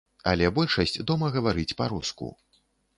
Але большасць дома гаворыць па-руску.